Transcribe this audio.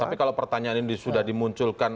tapi kalau pertanyaan ini sudah dimunculkan